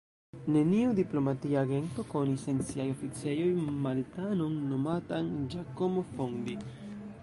Neniu diplomatia agento konis en siaj oficejoj Maltanon nomatan Giacomo Fondi.